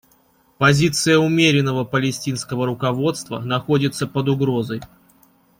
Позиция умеренного палестинского руководства находится под угрозой.